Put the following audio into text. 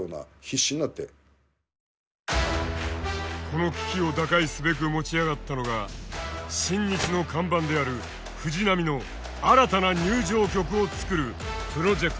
この危機を打開すべく持ち上がったのが新日の看板である藤波の新たな入場曲を作るプロジェクト。